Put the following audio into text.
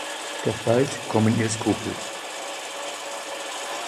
Doch bald kommen ihr Skrupel.